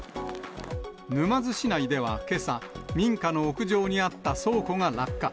沼津市内ではけさ、民家の屋上にあった倉庫が落下。